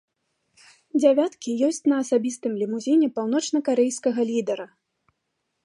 Дзявяткі ёсць на асабістым лімузіне паўночнакарэйскага лідара.